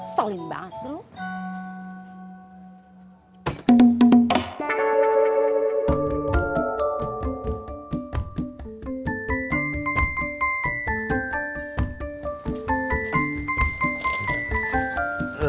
selim banget sih lo